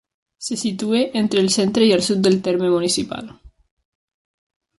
Se situa entre el centre i el sud del terme municipal.